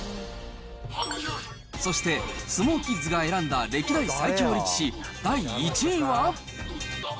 そして、相撲キッズが選んだ歴代最強力士第１位は。